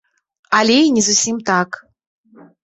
Але і не зусім так.